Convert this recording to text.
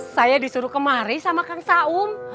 saya disuruh kemari sama kang saum